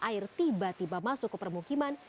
air tiba tiba masuk ke permukiman